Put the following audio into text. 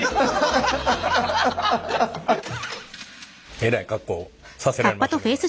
えらい格好させられましたねこれ。